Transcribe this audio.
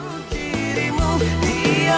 kau lagi berantem sama encut